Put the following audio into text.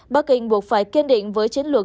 bắc kinh buộc phải kiên định với chiến lược